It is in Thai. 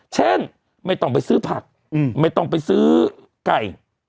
เช่นไม่ต้องไปซื้อผักไม่ต้องไปซื้อไก่